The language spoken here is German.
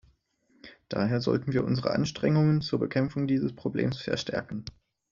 Daher sollten wir unsere Anstrengungen zur Bekämpfung dieses Problems verstärken.